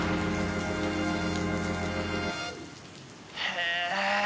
へえ。